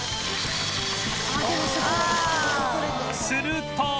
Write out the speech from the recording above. すると